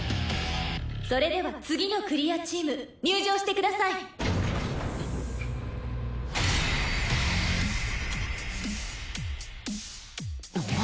「それでは次のクリアチーム入場してください」おっ！